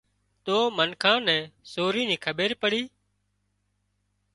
تو منکان نين سورِي نِي کٻير پڙِي